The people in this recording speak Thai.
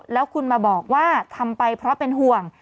แล้วคุณมาบอกว่าทำไปเพราะเป็นห่วง